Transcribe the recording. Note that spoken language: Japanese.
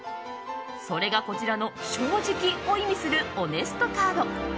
それが、こちらの正直を意味するオネストカード。